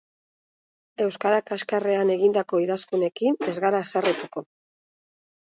Euskara kaxkarrean egindako idazkunekin ez gara haserretuko.